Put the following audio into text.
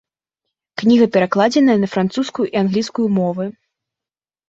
Кніга перакладзеная на французскую і англійскую мовы.